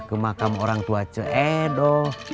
ke makam orang tua cewek